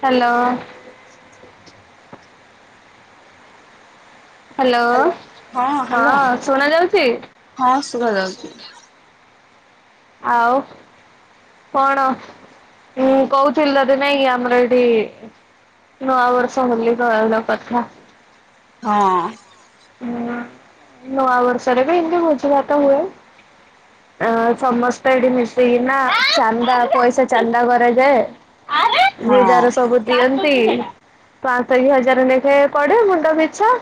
Hello. Hello ହଁ hello ହଁ ସୁଣା ଯାଉଛି? ହଁ ଶୁଭା ଯାଉଛି। ଆଉ କଣ ମୁଁ କହୁଥିଲି ତତେ ନାଇଁକି ଆମର ଏଠି ନୂଆ ବର୍ଷ ହୋଲି ପାଳନ କଥା ହଁ। ହୁଁ ନୂଆବର୍ଷରେ ବି ଏମିତି ଭୋଝି ଭାତ ହୁଏ ଅ ସମସ୍ତେ ଏଠି ମିଶିକି ନା ଚାନ୍ଦା ପଇସା ଚାନ୍ଦା କରାଯାଏ। ହଁ। ଯିଏଯାହାର ସବୁ ଦିଅନ୍ତି ପାଆନ୍ସ କି ହଜାର ଲେଖାଏ ପଡେ ମୁଣ୍ଡ ପିଛା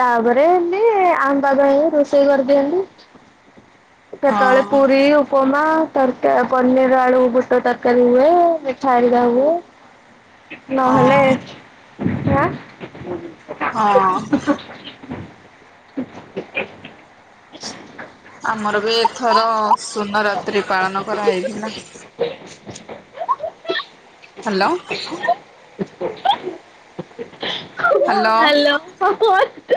ତାପରେ ଏମିତି ଆମ୍ବା ଭାଇ ରୋଷେଇ କରିଦିଅନ୍ତି। କେତେବେଳେ ହଁ ପୁରୀ ଉପମା ତରକାରୀ ପନିର ଆଳୁ ବୁଟ ତରକାରୀ ହୁଏ ମିଠା ଆରିକା ହୁଏ ନହେଲେ ହଁ ଆଁ ହଁ। ଆମର ବି ଏଥର ସୁନରାତ୍ରି ପାଳନ କରାହେଇଥିଲା। ହ୍ୟାଲୋ। ଆଁ ହ୍ୟାଲୋ।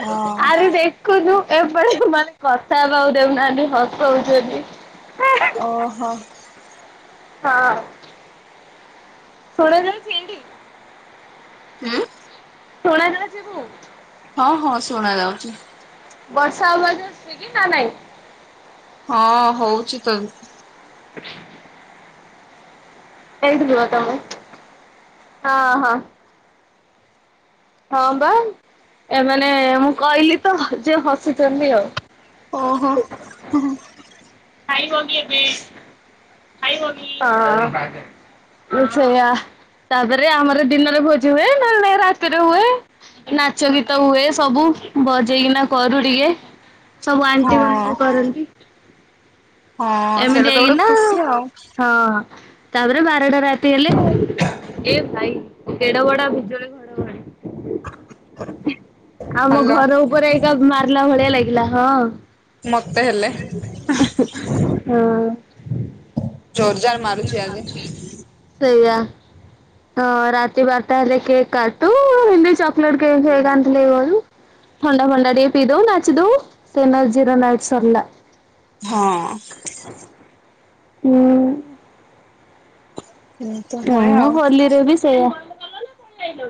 ହଁ ଦେଖ ଦେଖୁନୁ ଏପଟେ ଏମାନେ କଥା ହେବାକୁ ଦେଉନାହାନ୍ତି ହସଉଛନ୍ତି। ଓହୋ। ହଁ। ଶୁଣାଯାଉଛି ଏଇଠି? ହୁଁ। ଶୁଣା ଯାଉଛି ସବୁ? ହଁ ହଁ ଶୁଣା ଯାଉଛି। ବର୍ଷାବାଛି କି ନା ନାଇଁ [unintelligible] ହଁ ହଉଛି ତ। [inaudible] ଏଇଠ ଥିବ ତମେ ହଁ ହଁ। ହଁ ବା ଏମାନେ ମୁଁ କହିଲି ତ ଯେ ହସିଛନ୍ତି ଆଉ ଓହୋ ହ ହ। ଖାଇବକି ଏବେ ଖାଇବକି? ସେଇଆ ତାପରେ ଆମର ଦିନରେ ଭୋଜି ହୁଏ ନହେଲେ ନାଇ ରାତିରେ ହୁଏ। ନାଚ ଗୀତ ହୁଏ ସବୁ ବଜେଇକିନା କରୁ ଟିକେ ସବୁ ଆଣ୍ଟି ହଁ ମାନଙ୍କୁ କରନ୍ତି। ହଁ ସେଇଟା ଏମିତି ତ ହେଇକି ଗୋଟେ ନା ଖୁସି ଆଉ ହଁ। ତାପରେ ବାରଟା ରାତି ହେଲେ ଏ ଭାଇ କେଡ ବଡ ବିଜୁଳି ଘଡଗଡି ତା [inaudible] ଆମ ହ୍ୟାଲୋ ଘର ଉପରେ ଏଇଟା ମାରିଲା ଭଳିଆ ଲାଗିଲା ହଁ। ମତେ ହେଲେ ହଁ। ଜୋରଜାର ମାରୁଛି ଆଜି ସେଇଆ। ତ ରାତି ବାରଟା ହେଲେ କେକ୍ କାଟୁ ହିନ୍ଦ ଚକଲେଟ କେକ୍ ଫେକେ ଆଣିଥିଲେ କରୁ। ଥଣ୍ଡା ଫଣ୍ଡା ଟିକେ ପିଇଦଉ ନାଚୁଦଉ ସେନା ଜିରୋ ନାଇଟ ସରିଲା। ହଁ। ହୁଁ। ଏମିତି ହୁଏ ହଁ ଆଉ ହୋଲିରେ ବି ସେଇୟା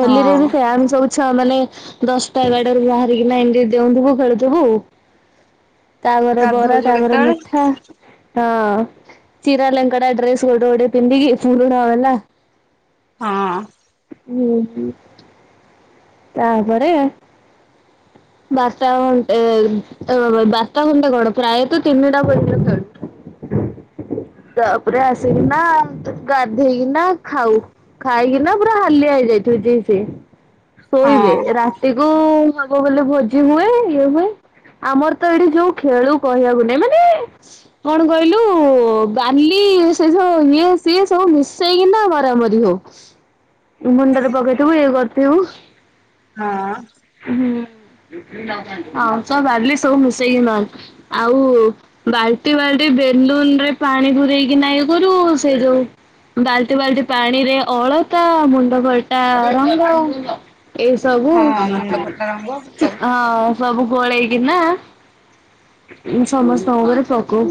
ହୋଲିରେ ବି ହଁ ସେୟା ଆମେ ସବୁ ଛୁ ମାନେ ଦଶଟା ଏଗାରଟାରୁ ବାହାରିକିନା ଏମିତି ଡେଉଁଥିବୁ ଖେଳୁଥିବୁ। ତାପରେ ବରା ଗାଧଉଛ ତାପରେ କେତେବେଳେ ମିଠା। ହଁ ଚୀରା ଲେଙ୍କେଡା ଡ୍ରେସ୍ ଗୋଟେ ଗୋଟେ ପିନ୍ଧିକି ପୁରୁଣ ଏଲା। ହଁ। ହୁଁ ହୁଁ ତାପରେ। ବାରଟା ଘଣ୍ଟେ ତ ଅ ବାରଟା ଘଣ୍ଟା କଣ ପ୍ରାୟତଃ ତିନିଟା ପର୍ଯ୍ୟନ୍ତ ଖେଳୁ। ତାପରେ ଆସିକି ନା ଗାଧେଇକି ନା ଖାଉ। ଖାଇକି ନା ପୁରା ହାଲିଆ ହେଇଯାଇଥିବି ଯି ସେ ଶୋଇବେ ହଁ ରା ତିକୁ ଆଗ ହେଲେ ଭୋଜି ହୁଏ ଇଏ ହୁଏ। ଆମର ତ ଏଠି ଯୋଉ ଖେଳୁ କହିବାକୁ ନାଇଁ ମାନେ କଣ କହିଲୁ ବାଲି ସେ ସବୁ ଇଏ ସିଏ ସବୁ ମିଶେଇକି ନା ମରାମରି ହଉ। ମୁଣ୍ଡରେ ପକେଇଥିବୁ ଇଏ କର୍ଥିବୁ। ହଁ। ହୁଁ ଆଉଁସ ବାଲି ସବୁ ମିଶେଇକି ମାରୁ। ଆଉ ବାଲ୍ଟି ବାଲ୍ଟି ବେଲୁନ୍ ‌ରେ ପାଣି ପୁରେଇକି ନା ଇଏ କରୁ ସେଇ ଯୋଉ। ବାଲ୍ଟି ବାଲ୍ଟି ପାଣିରେ ଅଳତା ମୁଣ୍ଡ ଫଟା ରଙ୍ଗ। ଏହିସବୁ ହଁ ମୁଣ୍ଡ ଫଟା ରଙ୍ଗ ସବୁ ହଁ। ସବୁ ଗୋଳେଇକି ନା ସମସ୍ତଙ୍କ ଘରେ ପକଉ।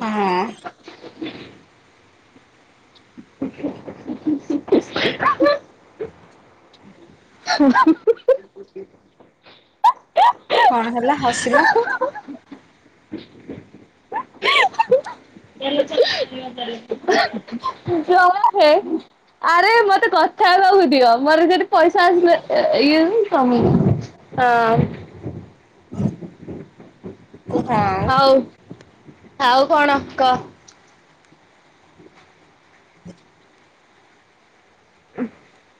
ହଁ [inaudible] [inaudible] କଣ ହେଲା ହସିଲ। [unintelligible] ଆରେ ମତେ କଥା ହେବାକୁ ଦିଅ ମୋର ଯଦି ପଇସା ଆସିଲେ ଇଏ କମି ଆଁ। ଗୁମ୍ଫା। ହଉ ଆଉ କଣ କ [inaudible]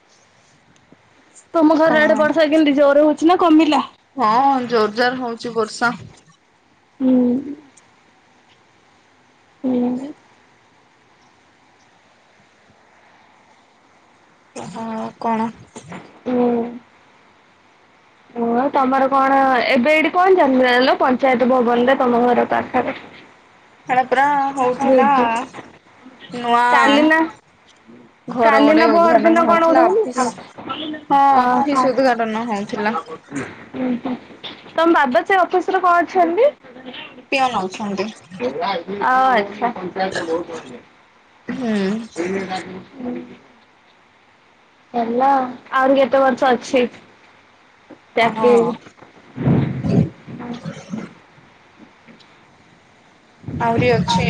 ତମ ଘର କଣ ଆଡେ ବର୍ଷା କେମିତି ଜୋର ହଉଚି ନା କମିଲା। ହଁ ଜୋର ଜାର ହଉଚି ବର୍ଷା। ହୁଁ। ହୁଁ। ଅ ହଁ କଣ? ହୁଁ। ଓ ତମର କଣ ଏବେ ଏଇଠି କଣ ଚାଲା ଲୋ ପଞ୍ଚାୟତ ଭବନ ରେ ତମ ଘର ପାଖେରେ? ହେଟା ପରା ହଉଥିଲା ନୂଆ ହୁଁ। ଘର କାଲି ଗୋଟେ ନା ପହର ଉଦ୍ଘାଟନ ଦିନ କଣ ହଉଥିଲା ଗୋଟେ ଅଫିସ ହଉନଥିଲା ହଁ ଅ ଅଫିସ ହଁ। ଉଦ୍ଘାଟନ ହଉଥିଲା ଉଁ ହୁଁ ତମ ବାବା ସେ ଅଫିସରେ କଣ ଅଛନ୍ତି? ପିଅନ ଅଛନ୍ତି ଆ ଆଛା। ହୁଁ। [inaudible] ଚାଲ ଆହୁରି କେତେ ବର୍ଷ ଅଛି। ହଁ। ଚାକିରି? ଆହୁରି ଅଛି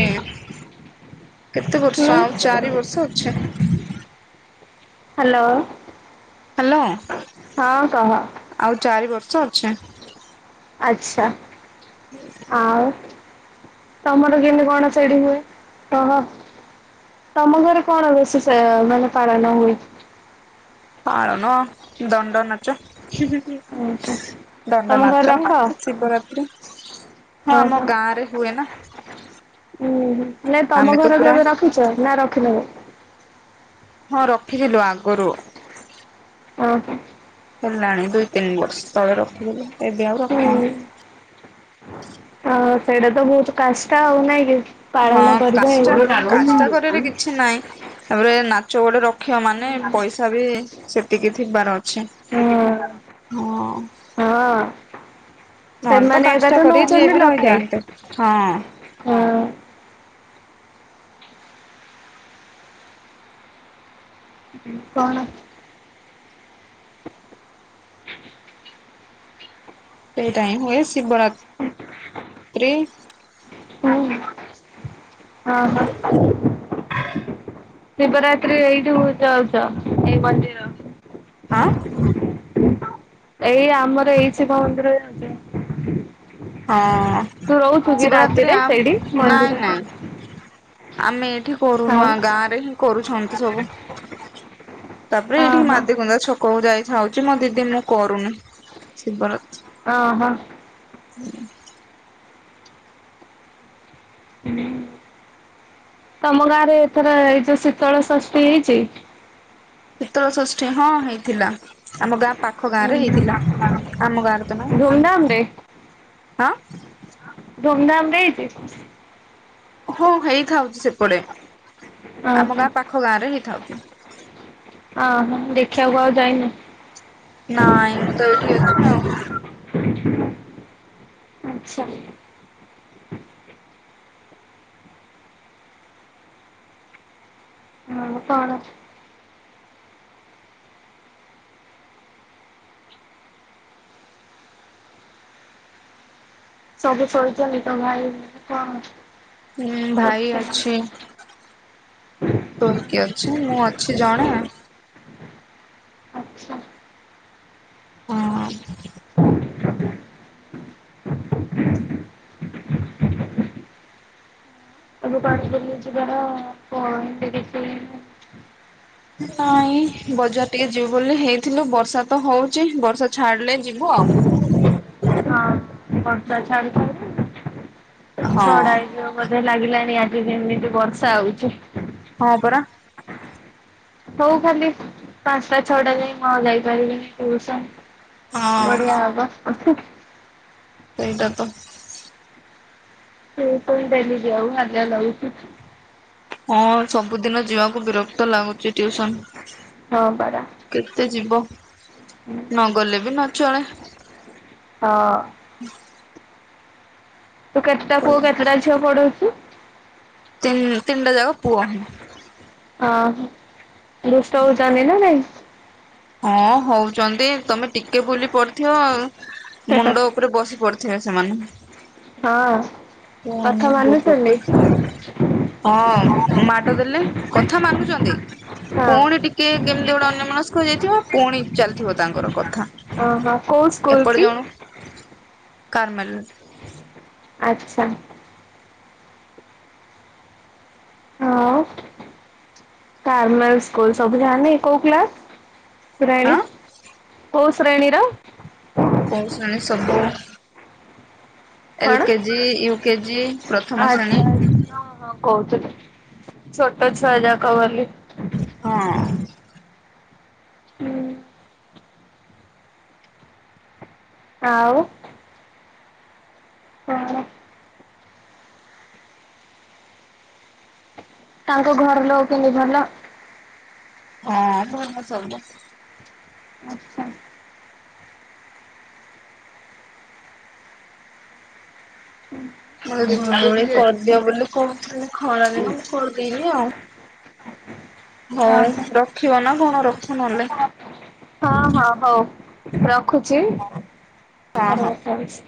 କେତେ ହୁଁ ବର୍ଷ ଆଉ ଚାରି ବର୍ଷ ଅଛି। ହାଲୋ। ହାଲୋ ଆଉ ଚାରି ବର୍ଷ ଅଛି। ଆଛା ଆଉ ତମର କେମିତି କଣ ସେଡି ହୁଏ କହ। ତମ ଘରେ କଣ ବେଶୀ ସ ମାନେ ପାଳନ ହୁଏ? ପାଳନ ଦଣ୍ଡ ନାଚ। ଓହୋ ତମ ଘରେ ଦଣ୍ଡନାଚ ରଖ? ଶିବରାତ୍ରି। ହଁ ଆମ ଗାଁରେ ହୁଏ ନା। ଉ ହୁ ନାଇ ତମ ଆମେ ତ ଘର ପୁରା କେବେ ରଖିଚ ନା ରଖିନ କେବେ? ହଁ ରଖିଥିଲୁ ଆଗୁରୁ। ଓହୋ। ହେଲାଣି ଦୁଇ ତିନି ବର୍ଷ ତଳେ ରଖିଲୁ ଏବେ ଆଉ ରଖିନୁ। ହଁ ସେଟା ତ ବୋହୁତ କାଷ୍ଟ ହଉ ନାଇଁ କି? ପାଳନ ହଁ କରିବା କାଷ୍ଟ ଆଉ କାଷ୍ଟ ହଁ। କରିବାର କିଛି ନାହିଁ ତାପରେ ନାଚ ଗୋଡେ ରଖ ମୁଖ୍ୟ ମାନେ ପଇସା ବି ସେତିକି ଥିବାର ଅଛି ହଁ। ହଁ ନହେଲେ ସେମାନେ ଏକେ କାଷ୍ଟା ତ କରି ଯିଏ ବି ନଉଚନ୍ତି ଲକ୍ଷେ। ରହିଯାଆନ୍ତେ। ହଁ। ହଁ। କଣ? ସେଇଟା ହିଁ ହୁଏ ଶିବରା ତ୍ରି। ହୁଁ ଆ ହଁ। ଶିବରାତ୍ରୀ ଏଇଠୁ ଯାଉଚ ଏଇ ମନ୍ଦିର ଆଁ ଏଇ ଆମର ଏଇ ଶିବ ମନ୍ଦିରରେ ଅଯଳ ତୁ ହଁ ରହୁଛୁ କି ଶିବରାତ୍ରି ରାତିରେ ସେଇଠି ଆମ ନାଇଁ ମନ୍ଦିରରେ ନାଇଁ ଆମେ ଏଠି ଆଉ କରୁନୁ ଗାଁ ରେ ହିଁ କରୁଛନ୍ତି ସବୁ। ତାପରେ ଏଠି ଅହ ମାଧିଗୁନ୍ଦା ଛକକୁ ଯାଇଥାଉଛି ମୋ ଦିଦି ମୁଁ କରୁନି ଶିବରାତ୍ରି। ଅ ହଁ। ହୁଁ। ତମ ଗାଁରେ ଏଥର ଏଇ ଯୋଉ ଶୀତଳ ଷଷ୍ଠି ହେଇଛି? ଶୀତଳ ଷଷ୍ଠି ହଁ ହେଇଥିଲା। ଆମ ଗାଁ ପାଖ ଗାଁରେ ହେଇଥିଲା ଆମ ଗାଁରେ ତ ଧୁମଧାମ ନାହିଁ ରେ ହଁ। ଧୁମଧାମ ରେ ହେଇଛି? ହଁ ହେଇଥାଉଛି ସେପଟେ ଆମ ଓହୋ ଗାଁ ପାଖ ଗାଁ ରେ ହେଇଥାଉଛି। ଅ ହଁ ଦେଖିବାକୁ ଆଉ ଯାଇନୁ? ନାଇଁ ମୁଁ ତ ଏଇଠି ଅଛି ଆଉ। [inaudible] ଆଚ୍ଛା। ଆଉ କଣ? ସବୁ ସୋଇଛନ୍ତି ନିଦଭାଇ ହଁ। ହୁଁ ଭାଇ ଅଛି। ତୋର କିିଏ ଅଛି ମୁଁ ଅଛି ଜଣେ। ହଁ। [inaudible] [unintelligible] ନାଇଁ ବଜାର ଟିକେ ଯିବୁ ବୋଲି ହେଇଥିଲୁ ବର୍ଷା ତ ହଉଛି ବର୍ଷା ଛାଡିଲେ ଯିବୁ ଆଉ। ହଁ ବର୍ଷା ଛାଡୁ ଛାଡୁ ଛ ଟା ହଁ ହେଇଯିବ। ବୋଧେ ଲାଗିଲାଣି ଆଜି ଯେମିତି ବର୍ଷା ହଉଛି। ହଁ ପରା। ହଉ ଖାଲି ପାଞ୍ଚଟା ଛଅଟା ଯାଇ ମୁଁ ଯାଇପାରିବିନି ଟିଉସନ। ହଁ ବଢିଆ ହବ। ସେଇଟା ତ। ସେଇ ପାଇଁ ଡେଲି ଯାଉ ହାଲିଆ ଲାଗୁଛି। ହଁ ସବୁଦିନ ଯିବାକୁ ବିରକ୍ତ ଲାଗୁଛି ଟିଉସନ। ହଁ ପରା। କେତେ ଯିବ, ନଗଲେ ବି ନ ଚଳେ। ହଁ। [inaudible] ତୁ କେତେଟା ପୁଅ କେତେଟା ଝିଅ ପଢ଼ଉଛୁ? ତିନ ତିନିଟା ଜାକ ପୁଅ। ଅହ ଦୁଷ୍ଟ ହଉଛନ୍ତି ନା ନାଇଁ? ହଁ ହଉଛନ୍ତି ତମେ ଟିକେ ବୁଲି ପଡିଥିବ ହଁ ମୁଣ୍ଡ ଉପରେ ବସି ପଡିଥିବେ ସେମାନେ। ହଁ କୁହନି କଥା ଯୋଉ ମାନୁଚନ୍ତି? ପ୍ରକାର ହଁ ମାଡ ଦେଲେ, କଥା ମାନୁଚନ୍ତି। ହଁ। ପୁଣି ଟିକେ କେମିତି ଗୋଟେ ଅନ୍ୟ ମନସ୍ ଯାଇଥିବ ପୁଣି ଚାଲିଥିବ ତାଙ୍କର କଥା ଓହୋ କୋଉ ସ୍କୁଲ ଏପଟେ କି ଜଣ କାରମେଲ। ଆଚ୍ଛା। ହଁ କାରମେଲ ସ୍କୁଲ ସବୁ ଯାନ୍ତିି, କୋଉ କ୍ଲାସ? ଶ୍ରେଣୀ ଆଁ କୋଉ ଶ୍ରେଣୀର? କଉ ଶ୍ରେଣୀ ସବୁ ଏଲ କଣ? କେଜି ୟୁ କେଜି ପ୍ରଥମ ଶ୍ରେଣୀ ଆଚ୍ଛା। କହୁଥିଲେ। ଛୋଟ ଛୁଆ ଯା କହନ୍ତି। ହଁ। ହୁଁ। ଆଉ। ହଁ। ତାଙ୍କ ଘର ଲୋକ କେମିତି ଭଲ? ହଁ, ଭଲ ସବୁ। ଆଚ୍ଛା। ହୁଁ ମୋ ଭଉଣୀ କରିଦିଅ ବୋଲି କହୁଥିଲି, ଖରାରେ ମୁଁ କଲିନି ଆଉ। ହଉ, ରଖିବ ନା କଣ? ରଖ, ନ ହଲେ। ହଁ ହଁ, ରଖୁଛି। ହଁ ହଁ। ରହୁଛି।